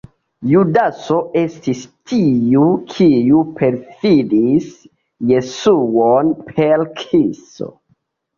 Judaso estis tiu kiu perfidis Jesuon per kiso.